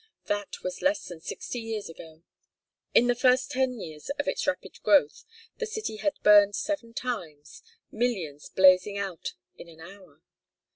That was less than sixty years ago. In the first ten years of its rapid growth the city had burned seven times, millions blazing out in an hour.